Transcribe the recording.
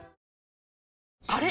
あれ？